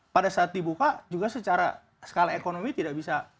pada saat dibuka juga secara skala ekonomi tidak bisa